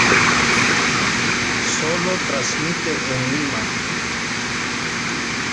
Sólo transmite en Lima.